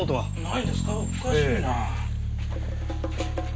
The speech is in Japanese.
おっかしいなぁ。